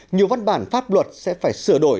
nhiều văn bản pháp luật sẽ phải sửa đổi